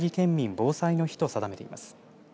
防災の日と定めています。